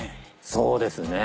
そうですね